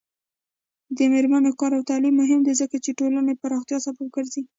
د میرمنو کار او تعلیم مهم دی ځکه چې ټولنې پراختیا سبب ګرځي.